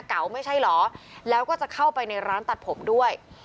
ไม่ใช่เหรอแล้วก็จะเข้าไปในร้านตัดผมด้วย